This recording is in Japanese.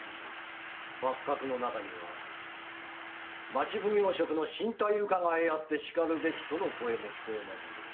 幕閣の中には町奉行職の進退伺いあって然るべきとの声も聞こえまするが。